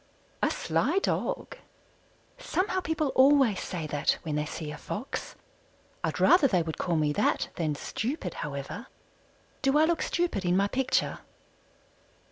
"A sly dog." Somehow people always say that when they see a Fox. I'd rather they would call me that than stupid, however. Do I look stupid in my picture?